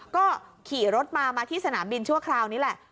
ก็ขี่รถมามาที่สนามบินชั่วคราวนี้แหละ